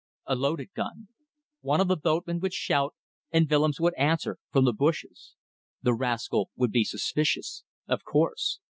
A loaded gun. One of the boatmen would shout, and Willems would answer from the bushes. The rascal would be suspicious. Of course.